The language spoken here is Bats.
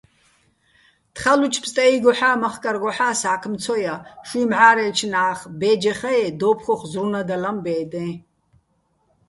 თხალუჩო̆ ფსტე́იგოჰ̦ა́ მახკარგოჰ̦ა́ სა́ქმ ცო ჲა, შუჲ მჵა́რელჩნა́ხ, ბე́ჯეხაე́ დო́უფხუხ ზრუნადალაჼ ბე́დეჼ.